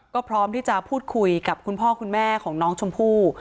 ก็พร้อมที่จะพูดคุยกับคุณพ่อคุณแม่ของน้องชมพู่